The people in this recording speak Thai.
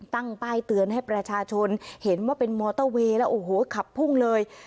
ตั้งป้ายเตือนให้ประชาชนเห็นว่าเป็นมอเตอร์เวย์แล้วโอ้โหขับพุ่งเลย